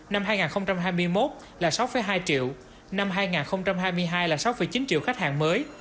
năm hai nghìn hai mươi một là sáu hai triệu năm hai nghìn hai mươi hai là sáu chín triệu khách hàng mới